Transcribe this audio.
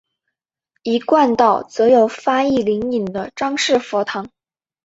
一贯道则有发一灵隐的张氏佛堂。